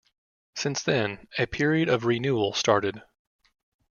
Since then, a period of renewal started.